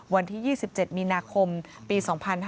วันที่๒๗มีนาคมปี๒๕๕๙